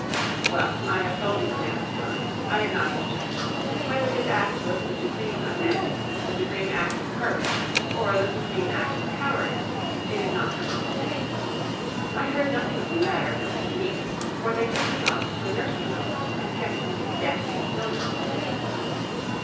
Well, I have told you the man's story. I am not his judge. Whether his act was the supreme amende, the supreme act of courage or the supreme act of cowardice, it is not for me to say. I heard nothing of the matter for many weeks, for they took me off to a nursing home and kept me in the deathly stillness of a sepulchre.